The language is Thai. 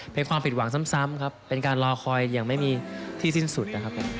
เป็นความผิดหวังซ้ำครับเป็นการรอคอยอย่างไม่มีที่สิ้นสุดนะครับ